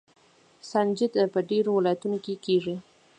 سنجد په ډیرو ولایتونو کې کیږي.